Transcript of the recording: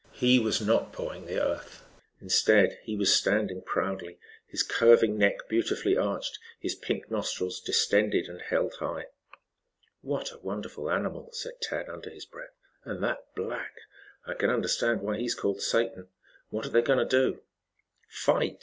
He was not pawing the earth. Instead he was standing proudly, his curving neck beautifully arched, his pink nostrils distended and held high. "What a wonderful animal!" said Tad under his breath. "And that black! I can understand why he is called Satan. What are they going to do?" "Fight!